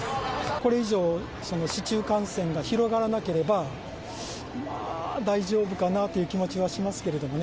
これ以上市中感染が広がらなければ大丈夫かなという気持ちはしますけれどもね。